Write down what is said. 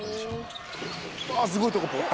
「あっすごいとこ」